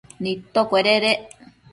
nidtocueded